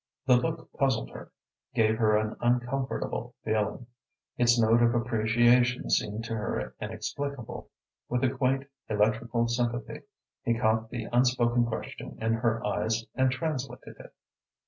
The look puzzled her, gave her an uncomfortable feeling. Its note of appreciation seemed to her inexplicable. With a quaint, electrical sympathy, he caught the unspoken question in her eyes and translated it.